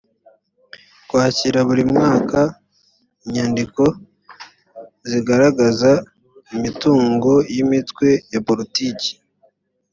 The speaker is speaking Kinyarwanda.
kwakira buri mwaka inyandiko zigaragaza imitungo y’imitwe ya politiki